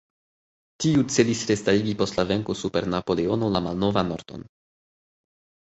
Tiu celis restarigi post la venko super Napoleono la malnovan ordon.